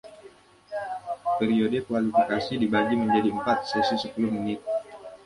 Periode kualifikasi dibagi menjadi empat, sesi sepuluh menit